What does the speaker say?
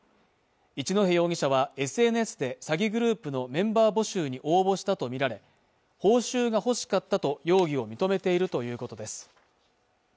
一戸容疑者はＳＮＳで詐欺グループのメンバー募集に応募したとみられ報酬が欲しかったと容疑を認めているということです